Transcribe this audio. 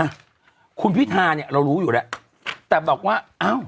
อ่ะคุณพิธาเนี่ยเรารู้อยู่แล้วแต่บอกว่าอ้าว